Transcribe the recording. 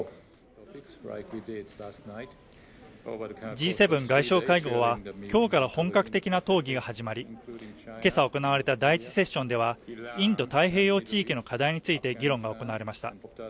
Ｇ７外相会合は今日から本格的な討議が始まり、今朝行われた第１セッションでは、インド太平洋地域の課題について議論が行われました